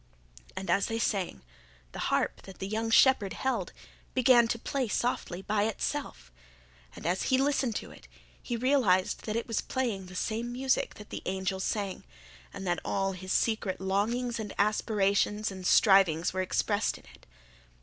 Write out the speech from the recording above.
And as they sang, the harp that the young shepherd held began to play softly by itself, and as he listened to it he realized that it was playing the same music that the angels sang and that all his secret longings and aspirations and strivings were expressed in it.